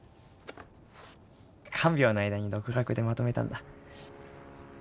看病の間に独学でまとめたんだ。